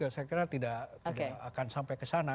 saya kira tidak akan sampai kesana